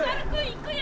行くよ！